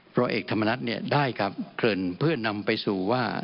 เพราะเอกธรรมนัดเนี่ยได้ครับเคลิญเพื่อนำไปสู่ว่า